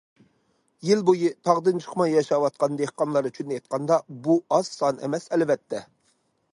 يىل بويى تاغدىن چىقماي ياشاۋاتقان دېھقانلار ئۈچۈن ئېيتقاندا، بۇ ئاز سان ئەمەس، ئەلۋەتتە.